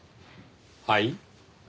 はい？